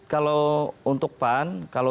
kalau untuk pan kalau